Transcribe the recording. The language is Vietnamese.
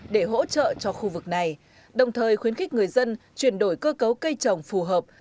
để hỗ trợ cho khu vực này đồng thời khuyến khích người dân chuyển đổi cơ cấu cây trồng phù hợp